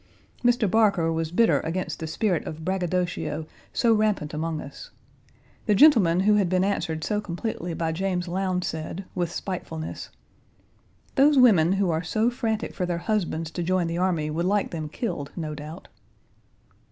Mr. Barker was bitter against the spirit of braggadocio so rampant among us. The gentleman who had been answered so completely by James Lowndes said, with spitefulness: "Those women who are so frantic for their husbands to join the army would like them killed, no doubt."